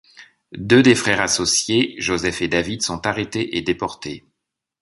Deux des frères associés Joseph et David, sont arrêtés et déportés.